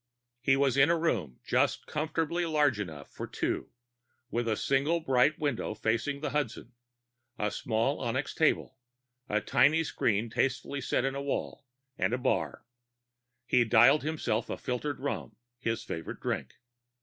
He was in a room just comfortably large enough for two, with a single bright window facing the Hudson, a small onyx table, a tiny screen tastefully set in the wall, and a bar. He dialed himself a filtered rum, his favorite drink.